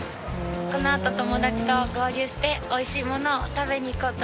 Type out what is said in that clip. このあと友達と合流しておいしいものを食べに行こうと思います。